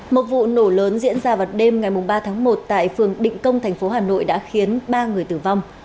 một vụ nổ lớn diễn ra vào đêm ngày ba tháng một tại phường định công thành phố hà nội đã khiến ba người tử vong